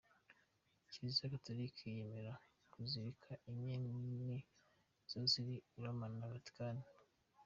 Kiliziya Gatolika yemera Bazilika enye nini zose ziri i Roma n’i Vatican.